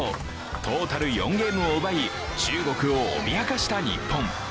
トータル４ゲームを奪い中国を脅かした日本。